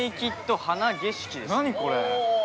何これ？